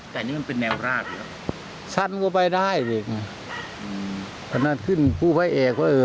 คุ้นชินนะได้สบายมาก